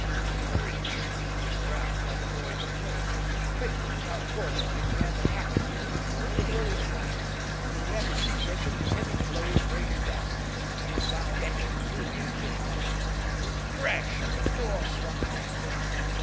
The horrid gibbering was drowned by the noise he made. Quickly, without pausing, he began to hack at the oak door with all his might. In rapid succession his heavy blows rained down, and the sound echoed through the empty house. There was a crash, and the door swung back.